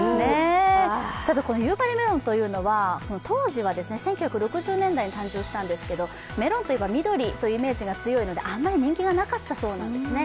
ただ夕張メロンというのは１９７０年代に誕生したんですけどメロンといえば緑というイメージが強いのであまり人気がなかったそうなんですね。